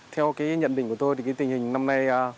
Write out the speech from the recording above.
theo cái nhận định của tôi thì cái tình hình năm nay